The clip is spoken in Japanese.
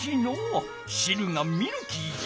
しるがミルキーじゃ。